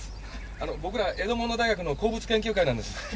あの僕らエドモンド大学の鉱物研究会なんです。